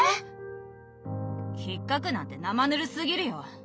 ひっかくなんてなまぬるすぎるよ。